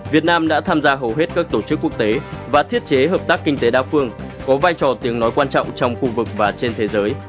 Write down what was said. việt nam đã tham gia hầu hết các tổ chức quốc tế và thiết chế hợp tác kinh tế đa phương có vai trò tiếng nói quan trọng trong khu vực và trên thế giới